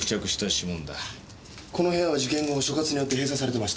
この部屋は事件後所轄によって閉鎖されてました。